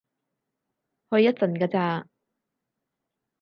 去一陣㗎咋